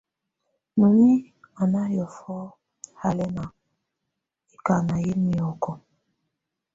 Noni á na hiɔ̀fɔ halɛna, ɛkana yɛ miɔkɔ.